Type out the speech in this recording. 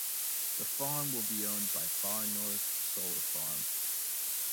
The farm will be owned by Far North Solar Farm.